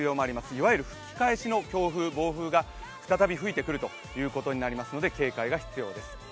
いわゆる吹き返しの強風、暴風が再び吹いてくることになりますので警戒が必要です。